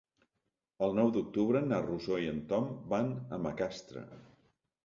El nou d'octubre na Rosó i en Tom van a Macastre.